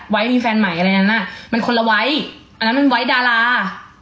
มีแฟนใหม่อะไรนั้นอ่ะมันคนละไว้อันนั้นมันไว้ดารา